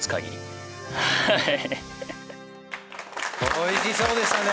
美味しそうでしたね。